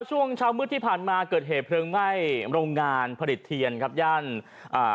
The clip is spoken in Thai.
ช่วงเช้ามืดที่ผ่านมาเกิดเหตุเพลิงไหม้โรงงานผลิตเทียนครับย่านอ่า